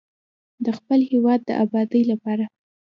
د خپل هیواد د ابادۍ لپاره.